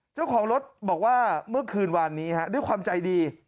เจ้าของรถบอกว่าเมื่อคืนวานนี้ด้วยความใจดี